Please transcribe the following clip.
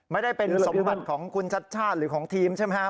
ไม่ได้เป็นสมบัติของคุณชัดชาติหรือของทีมใช่ไหมครับ